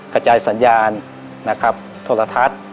กระจายสัญญาณนะครับโทรทัศน์